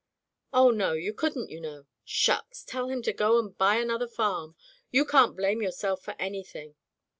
'* "Oh, no, you couldn't, you know/' "Shucks! Tell him to go and buy an other farm. You can't blame yourself for anything."